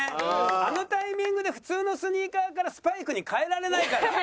あのタイミングで普通のスニーカーからスパイクに替えられないから。